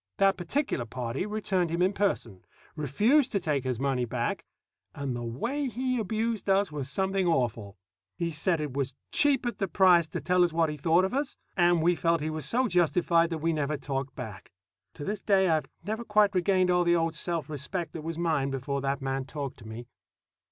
That particular party returned him in person, refused to take his money back, and the way he abused us was something awful. He said it was cheap at the price to tell us what he thought of us; and we felt he was so justified that we never talked back. But to this day I've never quite regained all the old self respect that was mine before that man talked to me.